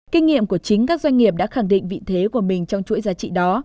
kinh nghiệm của chính các doanh nghiệp đã khẳng định vị thế của mình trong chuỗi giá trị đó